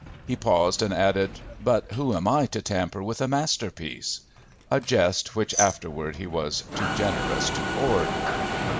He paused and added: "But who am I to tamper with a masterpiece?" a jest which afterward he was too generous to hoard.